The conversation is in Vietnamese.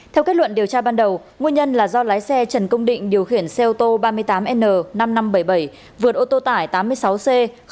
theo kết luận điều tra ban đầu nguyên nhân là do lái xe trần công định điều khiển xe ô tô ba mươi tám n năm nghìn năm trăm bảy mươi bảy vượt ô tô tải tám mươi sáu c năm nghìn ba trăm tám mươi tám